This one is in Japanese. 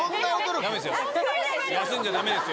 休んじゃダメですよ。